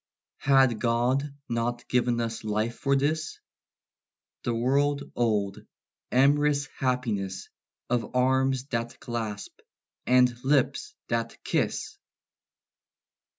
Had God not giv'n us life for this? The world old, amorous happiness Of arms that clasp, and lips that kiss!